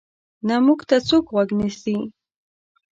نه موږ ته څوک غوږ نیسي.